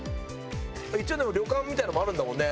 一応でも旅館みたいなのもあるんだもんね。